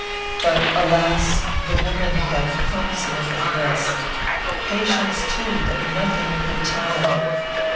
"But alas! the woman had consummate address. Patience, too, that nothing could tire.